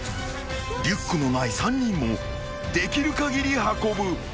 ［リュックのない３人もできる限り運ぶ］